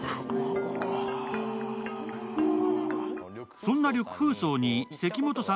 そんな緑風荘に関本さん